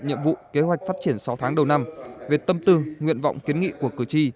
nhiệm vụ kế hoạch phát triển sáu tháng đầu năm về tâm tư nguyện vọng kiến nghị của cử tri